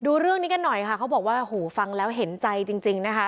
ดูเรื่องนี้กันหน่อยค่ะเขาบอกว่าหูฟังแล้วเห็นใจจริงนะคะ